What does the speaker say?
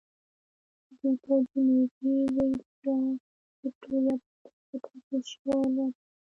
دوی په جنوبي وېلز یا د ویکټوریا په تازه تاسیس شوي ایالت کې وو.